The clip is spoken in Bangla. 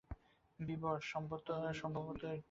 বীবর, সম্ভবত কোনো ইঁদুরের।